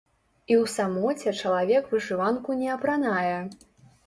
І ў самоце чалавек вышыванку не апранае.